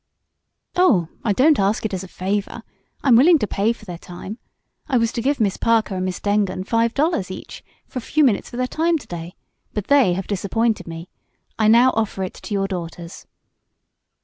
"Oh, I don't ask it as a favor. I'm willing to pay for their time. I was to give Miss Parker and Miss Dengon five dollars each for a few minutes of their time to day, but they have disappointed me. I now offer it to your daughters."